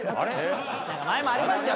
前もありましたよ